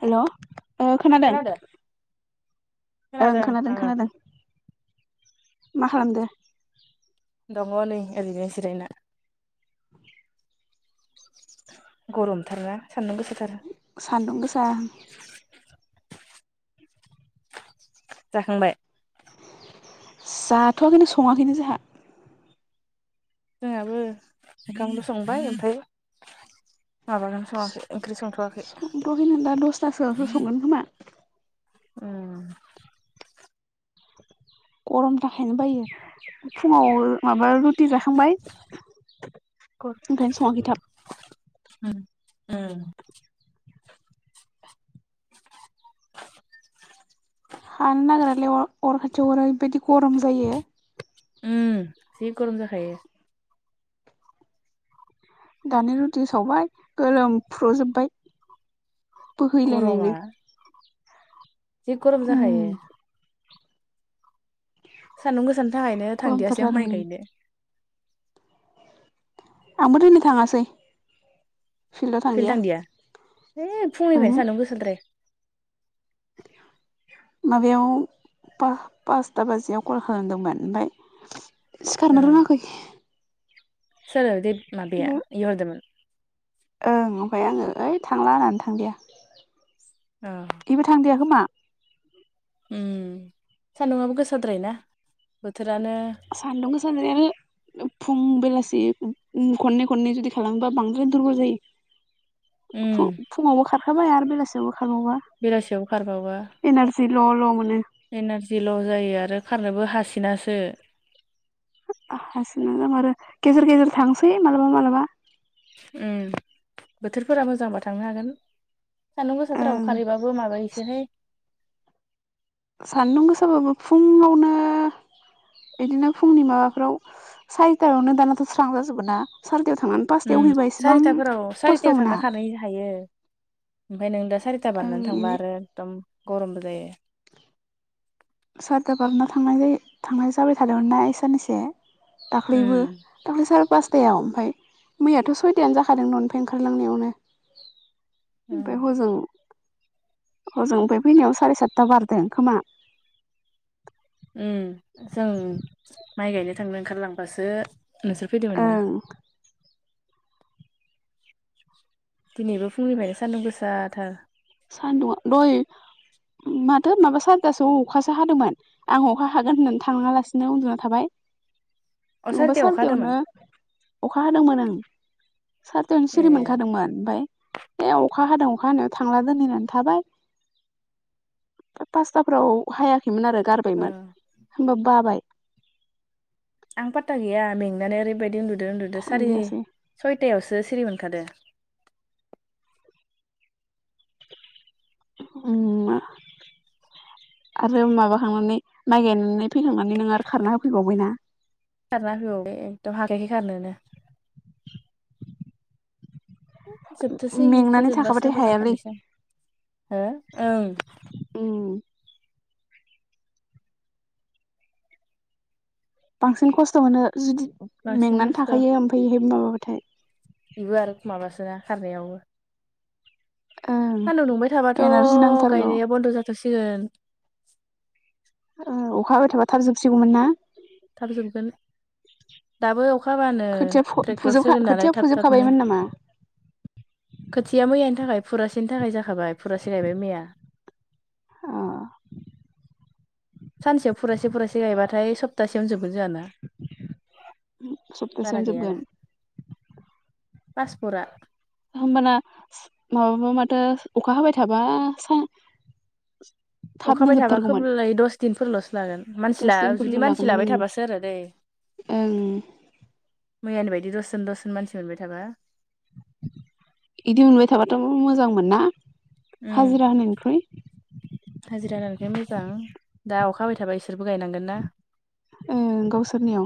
हेल' खोनादों ओं खोनादों खोनादों मा खालामदो दङ नै ओरैनो जिरायना [inaudible] [inaudible] गरमथारा सान्दुं गोसाथार सान्दुं गोसा जाखांबाय जाथ'आ खिनो सङाखैनो जोंहा जोंहाबो ओंखामनो संबाय ओमफ्राय माबागोन सङाखै ओंख्रि संथ'वाखै संथ'वाखैनो दा दसथासोआवसो संगोन खोमा उ गरम थाखायनो बायो फुङाव माबा रुथि जाखांबाय गर ओंखायनो सङाखै थाब उम हानो नागिरालाय अर खाथियाव अरा ओरै बायदि गरम जायो उ जि गरम जाखायो दानि रुटि सावबाय गोलोमफ्रु जोबबाय गरमा बोहैलायनायनो जि गरम उम जाखायो सान्दुं गोसानि थाखायनो गरमथार थांदियासै आं जादों माइ नै। गायनो आंबो दिनै थाङासै फिल्डाव थांदिया है फुंनिफ्रायनो उमहो सान्दुं गोसाद्राय [inaudible] माबायाव पासथा बाजियाव कल खालामदोंमोन ओमफ्राय ओ सिखारनो रोङाखै सोर दे माबाया ओमफ्राय इ हरदोंमोन ओं ओमफ्राय आङो ओइ थांला होननानै थांदिया अ बेबो थांदिया खोमा उम सान्दुंआबो गोसाद्राय ना बोथोरानो सानदुं गोसा [unintelligible] फुं बेलासि खननै खननै जुदि खालामोबा बांद्राय दुरबल जायो उम फु फुङावबो खारखाबाय आरो बेलासियावबो खारबावबा बेलासियाव खारबाबा [unintelligible] एनारजि ल' जायो आरो खारनोबो हासिनासो [unintelligible] आरो गेजेर गेजेर थांसै मालाबा मालाबा उम बोथोरफोरा मोजांबा थांनो हागोन सान्दुं गोसाफोराव ओं खारहैबाबो माबायोसोहाय सान्दुं गोसाबाबो फुंङावनो बिदिनो फुंनि माबाफ्राव सारिथायावनो दानाथ' स्रां जाजोबोना सारिथायाव थांनानै पासथायाव उम हैबा इसेबां सारिताफोराव खस्थ' सारिथायाव मोना थांना खानै हायो ओमफ्राय नों दा सारिता ओं बारनानै थांबा बिदि आरो एकदम गरमबो जायो सारिथा बारना थांनाय जायो थांनाय जाबाय थादोंमोनना इ सानैसो दाख्लैबो उम दाख्लै सार फास थायाव ओमफफ्राय मैयाथ' सयथायानो जाखादों न'ननिफ्राय ओंखारलांनायावनो ओमफ्राय हजों हजों ओमफ्राय फैनायाव साराय सातथा बारदो खोमा उम जों माइ गायनो थांनो ओंखारलांबासो नोंसोर फैदोंमोन ना ओं दिनैबो फुंनिफ्रायनो सान्दुं गोसाथार सान्दुङा दहय माथो माबा सारिथासोआव अखासो हादोंमोन आं अखा हागोन होननानै थाङालासिनो उन्दुना थाबाय अ नङाबा सारिथायाव अखा हादोंमोन सारिथायावनो अखा हादोंमोन ओं सारिथायावनो ए सिरि मोनखादोंमोन ओमफ्राय बे अखा हादों अखा हानायाव थांला दोनै होननानै थाबाय फाय पासताफोराव हायाखै खैमोन आरो ओं गारबायमोन होमबा बाबाय आं पाता गैया मेंनानै ओरैबायदि उन्दुदो उन्दुदो सारि थांदियासै सय तायावसो सिरि मोनखादो उम आरो माबाखांनानै माइ गायनानै फैखांनानै नों आरो खारना होफैबावबायना खारना होफैबावबाय एकदम हाखायाखै खारनोनो जोबथोंसै इखो मेंनानै जोब्बासो थाखाबाथाय मोजां हायालै खारनिसै आं हो ओं उम बांसिन खस्थ' मोनो जुदि बांसिन मेंनानै थाखायो ओमफ्रायहाय माबाबाथाय बेबो आरो माबासोना खारनायावबो ओं सान्दुं दुंबाय थाबाथ' एनारजि नांथारगौ गायनाया बन्द' जाथ'सिगोन अखा हाबाय थाबा थाब जोबसिगौमोन ना थाबजोबगोन दाबो अखा हाबानो खोथिया ट्रेक्टर फुजोबखा सोगोन नालाय खोथिया थाब थाबनो फुजोबखाबायमोन नामा खोथिया मैयानि थाखाय फुरासेनि थाखाय जाखाबाय फुरासे गायबाय मैया अ सानसेयाव फुरासे फुरासे गायबाथाय सप्तासे थियावनो जोबो जोंहाना बारा सप्तासेयावनो जोबगोन गैयाना पासपरा होमबाना माबाबा माथो अखा हाबाय थाबा सा थाबनो अखाबाय थाबा जोबथारगौमोन खोबलाय दस दिनफोरल'सो लागोन मानसि दस जुदि दिनफोरल' मानसि लागौमोन लाबाय ओं थाबासो आरो दै ओं मैयानि बायदि दसजन दसजन मानसि मोनबाय थाबा बिदि मोनबाय थाबाथ' मोजां मोन ना उम हाजिरा होनायनिख्रुइ हाजिरा होनानायखाय मोजां दा अखा हाबाय थाबायसे बिसोरबो गायनांगोन ना ओ गावसोरनियाव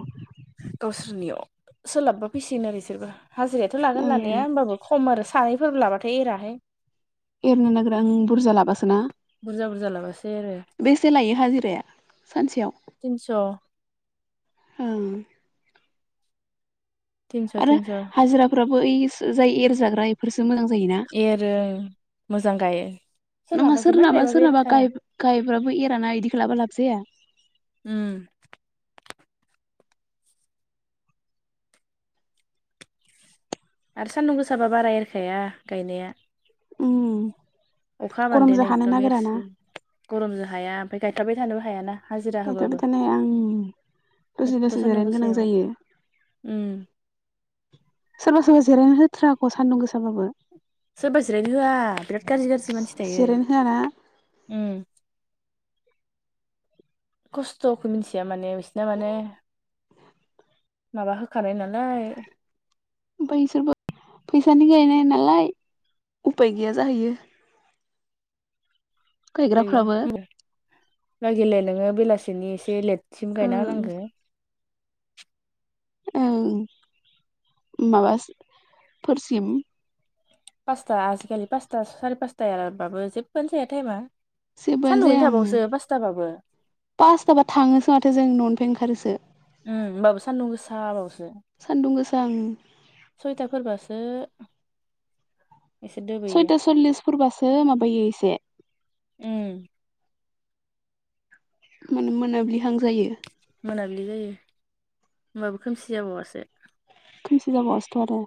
गावसोरनियाव सोलाबबा फैसिगोन आरो बिसोरबो हाजिरायाथ' लागोन लानाया ओं होमबाबो खम आरो सानैफोर लाबाथाय एराहाय एरनो नागिरा ओम बुरजा लाबासोना बुरजा बुरजा लाबासो आरो बेसे लायो हाजिराया तिनस' औ तिनस' आरो तिनस' हाजिराफ्राबो जाय एरजाग्रा इफोर एरो मोजां गायो। नंङाहा जिमान सोरनाबा गायबाबो सोरनाबा एरथारा गायबाबो एराना इदिखो लामबा लाब जाया। उम आरो सान्दुं गोसाबा बारा एरखाया गायनाया उम अखा हाबान्देन गरमजों हानो एखदम नागिराना एरसो गरमजों हाया ओमफफ्राय गायथाबबाय थानोबो हायाना हाजिरा गायथाब'बाय होबाबो थानो हाया आंङो दसे एथ' दसे सान्दुं जिरायनो गोनां गोसायाव जायो। उम सोरबा सोरबा जिरायनो होथाराआख' सान्दुं गोसाबाबो सोरबा जिरायनो होआ बिराद गाज्रि गाज्रि मानसि दंङो जिरायनो होआना उम। खस्थ'खौ मिथिया माने बिसिना माने माबा होखानाय नालाय। बैसोरबो फैसाानि गायनाय नालाय उफाय गैया जाहैयो। गैया गायग्राफ्राबो लागिले नोङो बेलासिनि एसे लेट सिम गायना ओं होनांगौ ओं माबाफोरसिम पासथा आजिखालि पासता सारि पासताबो जेबबोआनो जाया टाइमा सानदुयैनो थाबावसो पासताबाबो पासताबा थाङोसो माथो जों न'निफ्राय ओंखारोसो थ बावसो [unintelligible] सान्दुं गोसा उम सयथाफोरबासो एसे दोबैयो सोरबासो माबायो एसे उम माने मोनाब्लिहां जायो। मोनाब्लि जायो होमबाबो खोमसि जाबावासो। खोमसि जाबावासोथ' आरो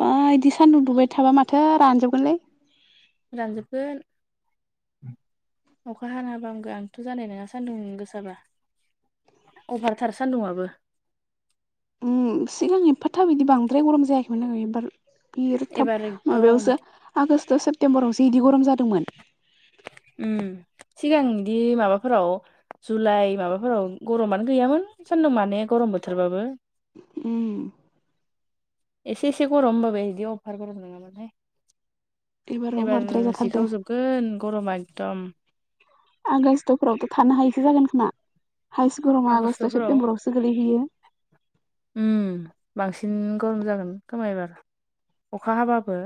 बा बिदि सान्दुं दुबाय थाबा माथो रानजोबगोनलै रानजोबगोन [unintelligible] अखा हाना होबा हामग आंथ' जानाय नङा सान्दुं गोसाबा अभारथार सान दुंङाबो सिगां एफाथाब बिदि बांद्राय गरम जायाखैमोन दांलै एबार बिर थाब एबार एकदम माबायावसो आगष्ट सेप्तेम्बरावसो बिदि गरम जादोंमोन। उम सिगां बिदि माबाफोराव जुलाइ माबाफोराव गरमानो गैयामोन सानदुं माने गरम बोथोरबाबो उम एसे एसे गरम होनबाबोय बिदि अफार गरम नङामोनहाय एबाराव एबार बाराद्राय जाथारदो जिखावजोबगोन गरमा एकदम आगसतफोरावथ' थानो हायैसो जागोन खोमा। हाइ स्कुलाव मा आगष्टआव आगष्ट'फोराव सेप्तेम्बरावसो गोलैहैयो गोरम जागोन खोमा एबार अखा हाबाबो।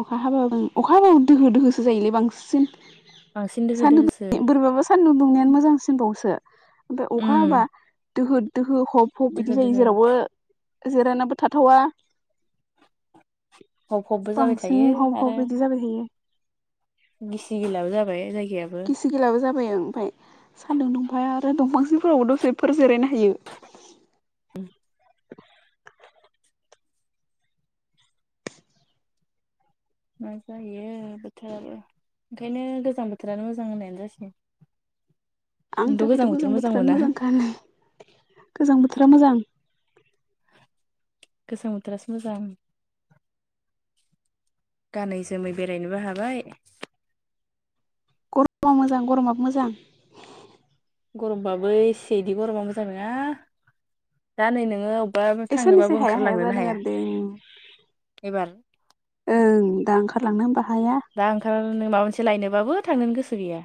अखा हाबाबो अखा हाबाबो दोहो दोहोसो जायोलै बांसिन बांसिन दोहो दोहोसो सान्दुंबोरै बाबा सान्दुं दुं दुंनायानो मोजांसिन बावसो ओमफ्राय अखा हाबा उम दोहो दोहो। हब हब दोहो बिदि जायो दोहो जेरावबो जिरायनाबो थाथावा हब हबबो जाबाय बांसिन थायो हब हब आरो बिदि जाबाय थायो गिसि गिलाबो जाबाय जाय गिसि गिलाबो जा। बाय ओं ओंफाय सान्दुं दुंफाय आरो दंफांसेफोरावबो दसेफोर जिरायनो हायो मा जायो बोथोराबो ओंखायनो गोजां बोथोरानो मोजां होननायानो जासिगोन [inaudible] आंनि नोंथ' थाखायथ' बोथोर गोजां मोजां बोथोरानो मोना मोजांखा होनलाय गोजां बोथोरा मोजां। गोजां बोथोरासो मोजां गानै जोमै बेरायनोबो हाबाय गरमा मोजां गरमाबो मोजां गरमबाबो इसे इदि गरमा मोजां नोङा दा नै नोङो अबेबा ए साननैसो थांनोबाबो हाया हाया ओंखारलांनोनो जादों आरो देन एबार ओं दा ओंखारलांनो होमबा हाया दा ओंखार नो माबा मोनसे लायनोबाबो थांनोनो गोसो गैया।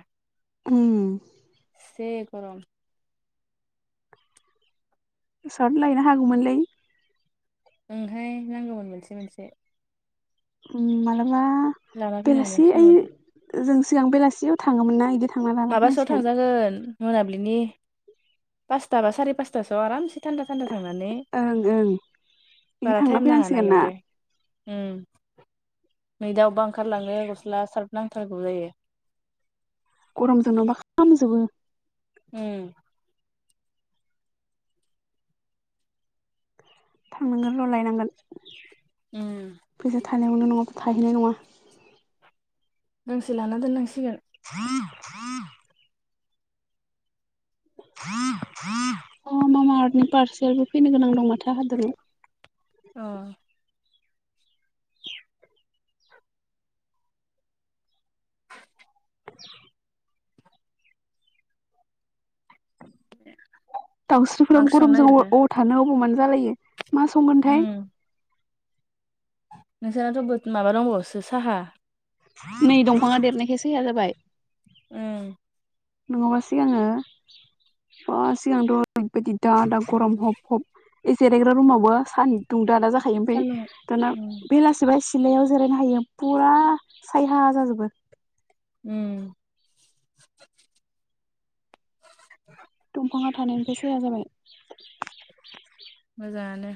उम। दे गरम सार्ट लायनो हागौमोनलै ओंहाय नांगौमोन मोनसे मोनसे उम मालाबा लाना फैनो बेलासि ओइ हानांसिगौमोन जों सिगां बेलासियाव थाङोमोन ना इदि माबासोआव थांजागोन मोनाबिलिनि पासता बा साराय पासथासो आरामसे थान्दा थान्दा। थांनानै ओं ओं बिदि बारा थांना टाइम नाङा ना फैनांसिगोन इयावनो। उम। नै दा अबबा ओंखारलांनो गस्ला सारब नांथारगौ जायो। रंजोंनोबा खामजोबो। उम। थांनांगोन र' लायनांगोन उम फैसा थानायावनो नङाबा थाहैनाय नङा। गांसे लाना दोननांसिगोन [unintelligible] अ मामा आर्टनि पारसेलबो फैनो गोनां दं माथो आंहा दोनै अ। [inaudible] [inaudible] मा दाउस्रिफोराबो ओंख्रि संनो गरमजों अ नागिरखो? अबाव थानो अबाव मानो जालायो मा उम संगोनथाय नोंसानाथ' बोद माबा दंबावोसो साहा। नै दंफाङा देरनायखाय सयहा जाबाय। उम। नङाबा सिगाङो। बा सिगांथ' ओरैबायदि दा दा गरम हब हब ए जिरायग्रा रुमावबो सानदुं दा दा जाखायो सान्दुं ओमफाय दाना उम बेलासेबा एसे। सिलायाव जिरायनो हायो फुरा सायहा जाजोबो उम दंफाङा थानायनिफ्राय साया जाबाय। मोजाङानो